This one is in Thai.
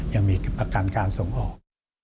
ยังมีประกันการส่งออก